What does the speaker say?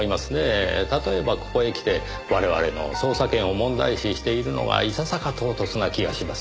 例えばここへ来て我々の捜査権を問題視しているのはいささか唐突な気がします。